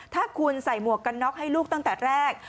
ถ้าคุณใส่หมวกกันน็อกให้ลูกตั้งแต่แรก